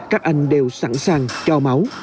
các anh đều sẵn sàng cho máu